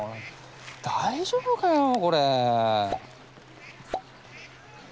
大丈夫かよこれ。